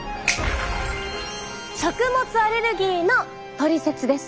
食物アレルギーのトリセツです。